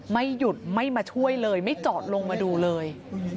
ไม่หยุดไม่มาช่วยเลยไม่จอดลงมาดูเลย